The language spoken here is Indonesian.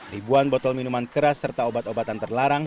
ribuan botol minuman keras serta obat obatan terlarang